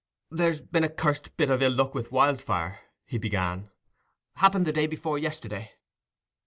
"There's been a cursed piece of ill luck with Wildfire," he began; "happened the day before yesterday."